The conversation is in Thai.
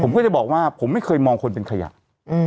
ผมก็จะบอกว่าผมไม่เคยมองคนเป็นขยะ